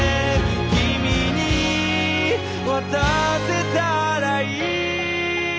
「君に渡せたらいい」